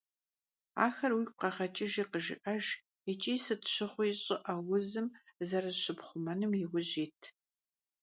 Ахэр уигу къэгъэкӀыжи къыжыӀэж икӀи сыт щыгъуи щӀыӀэ узым зэрызыщыпхъумэнум иужь ит.